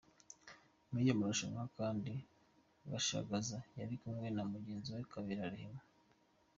Muri aya marushanwa kandi Gashagaza yari kumwe na mugenzi we Kabera Rehema.